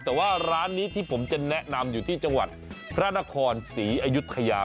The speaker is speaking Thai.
แต่ว่าร้านนี้ที่ผมจะแนะนำอยู่ที่จังหวัดพระนครศรีอยุธยา